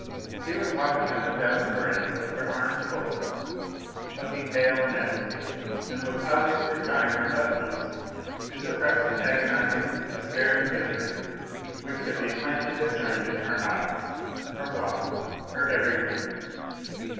She was walking up and down the verandah with her arms folded, looking pale and agitated, and was obviously trying her utmost to suppress the agonizing, despairing misery which could 252 A LITTLE HERO be plainly discerned in her eyes, her walk, her every movement.